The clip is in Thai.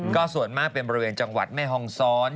ก็ส่วนมากเป็นบริเวณจังหวัดแม่ฮองซ้อน